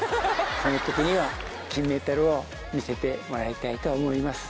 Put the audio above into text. そのときには、金メダルを見せてもらいたいと思います。